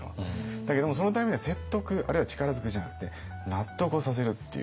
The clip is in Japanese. だけれどもそのためには説得あるいは力ずくじゃなくて納得をさせるっていう。